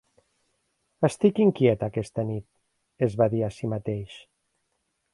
"Estic inquiet aquesta nit", es va dir a si mateix.